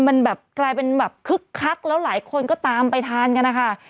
มันแบบกลายเป็นแบบคึกคักแล้วหลายคนก็ตามไปทานกันนะคะ